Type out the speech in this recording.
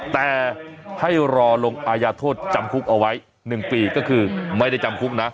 แต่ให้รอลงอายาโทษจำคุกเอาไว้๑ปีก็คือไม่ได้จำคุกนะ